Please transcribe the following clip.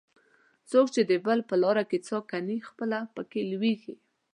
څوک چې د بل په لار کې څا کیني؛ پخپله په کې لوېږي.